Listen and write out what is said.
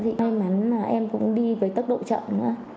ngoan mắn là em cũng đi với tốc độ chậm nữa